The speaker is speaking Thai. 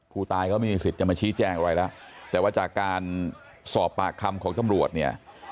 ผู้ตายเขาไม่มีสิทธิ์จะมาชี้แจงอะไรแล้วแต่ว่าจากการสอบปากคำของตำรวจเนี่ย